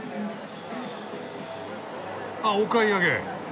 あっお買い上げ。